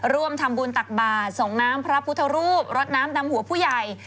ร่วมทำบุญตักบาทส่งน้ำพระพุทธรูปรดน้ำดำหัวผู้ใหญ่